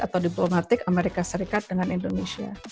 atau diplomatik amerika serikat dengan indonesia